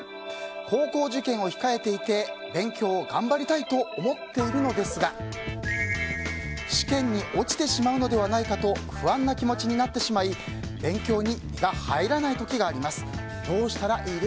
高校受験を控えていて勉強を頑張りたいと思っているのですが試験に落ちてしまうのではないかと不安な気持ちになってしまい勉強に身が入らない時があります。